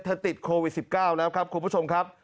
ติดโควิด๑๙แล้วครับคุณผู้ชมครับ